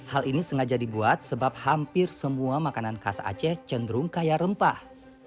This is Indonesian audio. hal ini sengaja dibuat sebab hampir semua makanan khas aceh cenderung kaya rempah